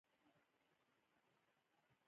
ازادي راډیو د بهرنۍ اړیکې پرمختګ سنجولی.